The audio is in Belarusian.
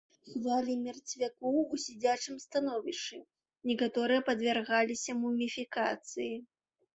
Хавалі мерцвякоў у сядзячым становішчы, некаторыя падвяргаліся муміфікацыі.